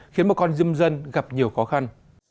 khiến một con dâm dân gặp nhiều khó khăn